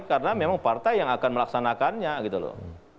karena memang partai yang akan melaksanakannya gitu loh